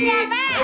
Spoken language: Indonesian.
siti siapa pe